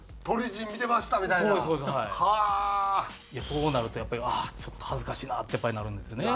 そうなるとやっぱりああちょっと恥ずかしいなってやっぱりなるんですよね。